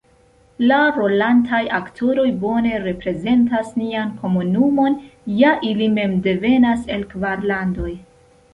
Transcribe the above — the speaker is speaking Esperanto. La rolantaj aktoroj bone reprezentas nian komunumon, ja ili mem devenas el kvar landoj.